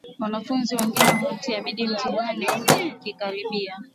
Wanafunzi wengi hutia bidii mtihani ukikaribia